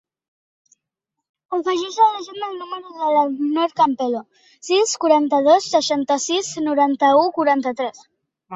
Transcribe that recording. Afegeix a l'agenda el número de la Noor Campelo: sis, quaranta-dos, seixanta-sis, noranta-u, quaranta-tres.